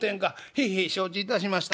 「へえへえ承知いたしました。